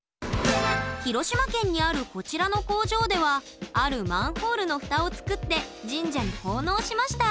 広島県にあるこちらの工場ではあるマンホールの蓋を作って神社に奉納しました。